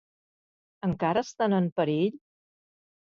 Encara estan en perill?